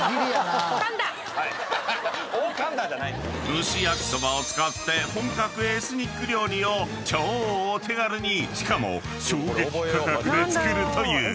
［むし焼そばを使って本格エスニック料理を超お手軽にしかも衝撃価格で作るという］